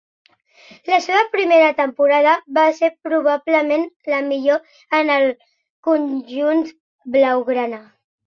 La seva primera temporada va ser probablement la millor en el conjunt blaugrana.